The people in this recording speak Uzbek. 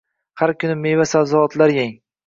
Har kuni meva-sabzavotlar yeng.